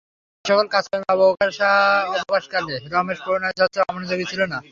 এই-সকল কাজকর্মের অবকাশকালে রমেশ প্রণয়চর্চায় অমনোযোগী ছিল না।